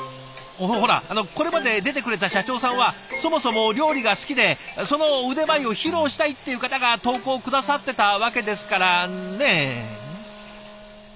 ほらこれまで出てくれた社長さんはそもそも料理が好きでその腕前を披露したいっていう方が投稿を下さってたわけですからね。